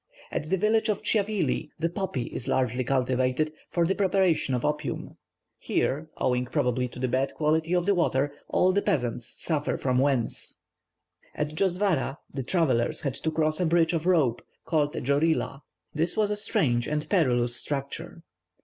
At the village of Tchiavli, the poppy is largely cultivated for the preparation of opium; here, owing probably, to the bad quality of the water, all the peasants suffer from wens. At Djosvara the travellers had to cross a bridge of rope, called a "djorila." This was a strange and perilous structure.